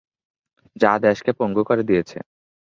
যা দেশকে পঙ্গু করে দিয়েছে।